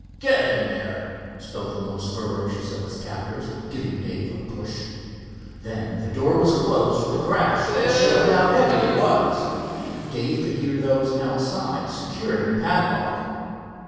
"Get in there," spoke the most ferocious of his captors, giving Dave a push. Then the door was closed with a crash that showed how heavy it was. Dave could hear those outside securing the padlock.